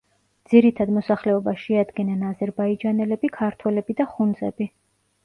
ძირითად მოსახლეობას შეადგენენ აზერბაიჯანელები, ქართველები და ხუნძები.